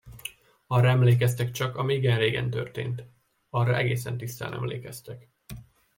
Arra emlékeztek csak, ami igen régen történt, arra egészen tisztán emlékeztek.